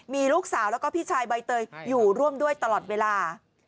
มีลูกสาวแล้วก็พี่ชายใบเตยอยู่ร่วมด้วยตลอดเวลา